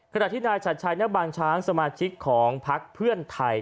ขณะที่นายชัดชัยณบางช้างสมาชิกของพักเพื่อนไทย